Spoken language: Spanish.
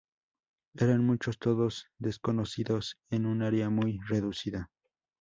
Eran muchos, todos desconocidos, en un área muy reducida.